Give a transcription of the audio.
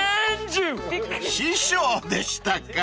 ［師匠でしたか］